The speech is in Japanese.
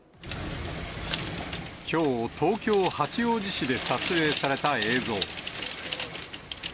きょう、東京・八王子市で撮影された映像。